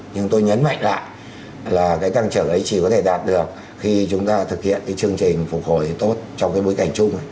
nhưng tôi nhấn mạnh lại là cái tăng trưởng ấy chỉ có thể đạt được khi chúng ta thực hiện cái chương trình phục hồi tốt trong cái bối cảnh chung